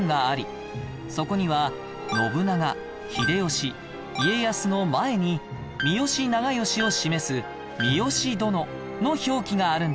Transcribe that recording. そこには信長秀吉家康の前に三好長慶を示す「三好殿」の表記があるんです